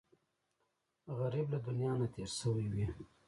غریب له دنیا نه تېر شوی وي